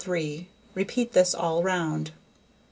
Repeat this all round.